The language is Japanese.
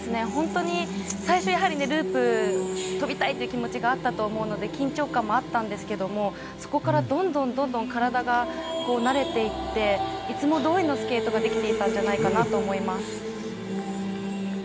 最初はループを跳びたいという気持ちがあったと思うので緊張感もありましたけれどそこからどんどん体が慣れていっていつもどおりのスケートができていたんじゃないかと思います。